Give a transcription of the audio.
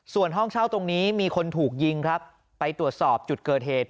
ส่วนห้องเช่าตรงนี้มีคนถูกยิงครับไปตรวจสอบจุดเกิดเหตุ